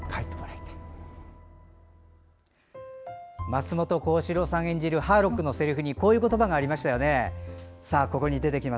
松本幸四郎さん演じるハーロックのせりふにこういう言葉がありましたね。